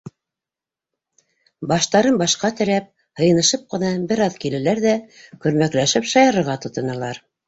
Баштарын башҡа терәп, һыйынышып ҡына бер аҙ киләләр ҙә көрмәкләшеп шаярырға тотоналар.